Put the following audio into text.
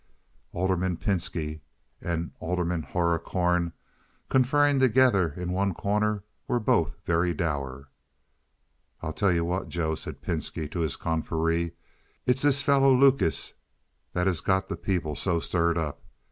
Alderman Pinski and Alderman Hoherkorn, conferring together in one corner, were both very dour. "I'll tell you what, Joe," said Pinski to his confrere; "it's this fellow Lucas that has got the people so stirred up.